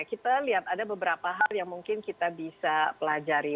kita lihat ada beberapa hal yang mungkin kita bisa pelajari